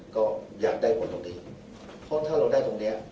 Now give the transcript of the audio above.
ก็อยากได้ผลตรงนี้เพราะถ้าเราได้ตรงเนี้ย